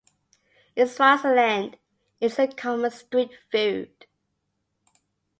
In Swaziland, it is a common street food.